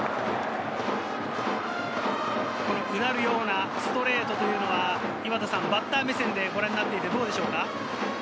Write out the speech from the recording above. うなるようなストレートというのは、バッター目線でどうでしょうか？